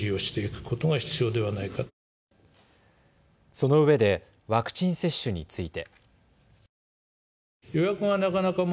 そのうえでワクチン接種について。